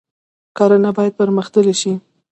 کرنه باید پرمختللې شي